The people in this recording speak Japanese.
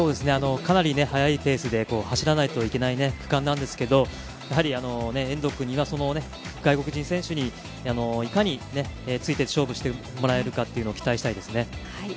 かなり速いペースで走らないといけない区間なんですけど、遠藤君には外国人選手にいかについて勝負してもらえるか期待したいですね。